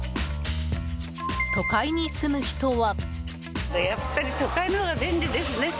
都会に住む人は。